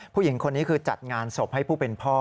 ผู้หญิงคนนี้คือจัดงานศพให้ผู้เป็นพ่อ